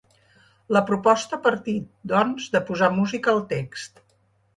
La proposta ha partit, doncs, de posar música al text.